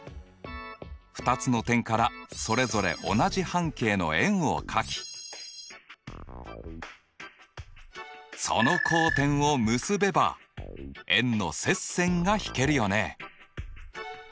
２つの点からそれぞれ同じ半径の円を描きその交点を結べば円の接線がひけるよね。